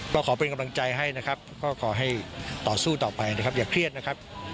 ก็ขอเป็นกำลังใจให้นะครับก็ขอให้ต่อสู้ต่อไปนะครับอย่าเครียดนะครับ